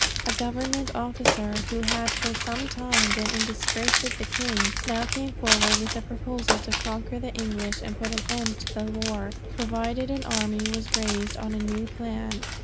A government officer, who had for some time been in disgrace with the king, now came forward with a proposal to conquer the English and put an end to the war, provided an army was raised on a new plan.